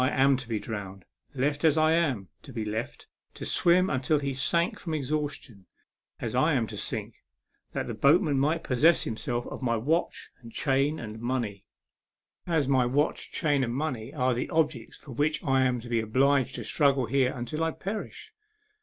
am to be drowned ; left, as I am to be left, to swim until he sank from exhaustion, as I am to sink, that the boatman might possess him self of his watch and chain and money, as my A MEMORABLE SWIM. 73 watch and chain and money are the objects for which I am to be obliged to struggle here until I perish.